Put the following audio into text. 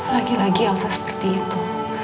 lagi lagi elsa seperti itu